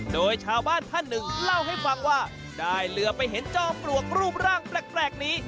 โดยชาวบ้านท่านหนึ่งเล่าให้ฟังว่าได้เรือไปเห็นจอมปลวกรูปร่างแปลกนี้